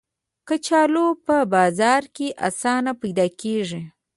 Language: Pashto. کچالو په بازار کې آسانه پیدا کېږي